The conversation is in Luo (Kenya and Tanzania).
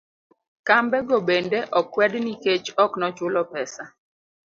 Kambe go bende okwed nikech oknochulo pesa